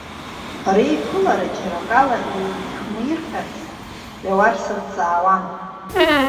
Реиԥылара џьара акала еиԥимырҟьарц, Леуарсан дҵаауан.